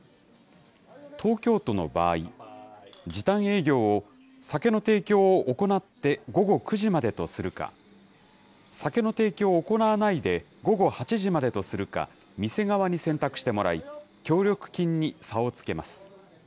東京都の場合、時短営業を、酒の提供を行って午後９時までとするか、酒の提供を行わないで午後８時までとするか、店側に選択してもらい、協力金に差をつけます。